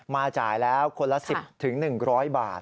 จ่ายแล้วคนละ๑๐๑๐๐บาท